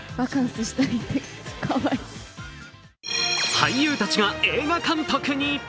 俳優たちが映画監督に。